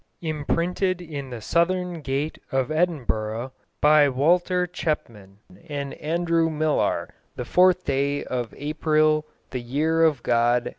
Imprentit in the southgait of Edinburgh be Walter chepman and Androw myllar the fourth day of aprile the yhere of God M.